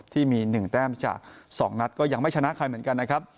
ที่มี๑แต้มจาก๒นัดก็ยังไม่ชนะใครเหมือนกันนะครับ